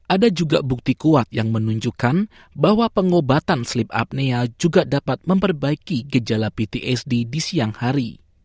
ada juga bukti kuat yang menunjukkan bahwa pengobatan sleep apnea juga dapat memperbaiki gejala ptsd di siang hari